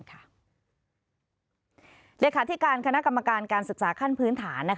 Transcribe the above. เลขาธิการคณะกรรมการการศึกษาขั้นพื้นฐาน